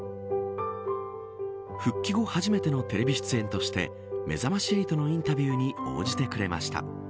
復帰後初めてのテレビ出演としてめざまし８のインタビューに応じてくれました。